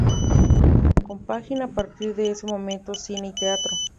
Compagina a partir de ese momento cine y teatro.